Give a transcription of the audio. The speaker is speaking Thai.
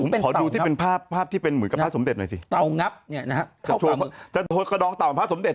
ผมขอดูที่เป็นภาพภาพที่เป็นเหมือนกับพระสมเด็จหน่อยสิเตางับเนี่ยนะฮะกระดองเต่าเป็นพระสมเด็